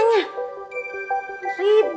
ribet nyarinya dia pergi kemana